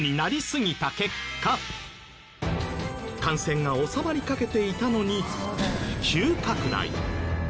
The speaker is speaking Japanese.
感染が収まりかけていたのに急拡大。